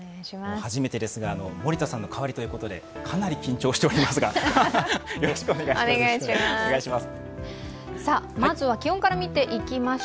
初めてですが、森田さんの代わりということでかなり緊張しておりますがよろしくお願いします。